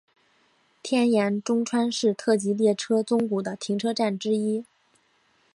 天盐中川是特急列车宗谷的停车站之一。